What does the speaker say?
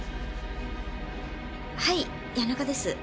はい谷中です。